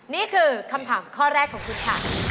นี่คือคำถามข้อแรกของคุณค่ะ